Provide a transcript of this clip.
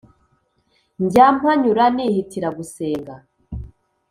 njya mpanyura nihitira gusenga